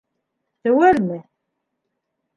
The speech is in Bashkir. Теүәлме?